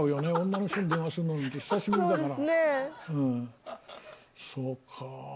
女の人に電話するのなんて久しぶりだから。